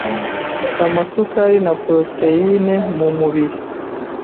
amasukari na proteyine mu mubiri